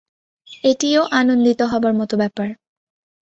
এটিও আনন্দিত হবার মতো ব্যাপার।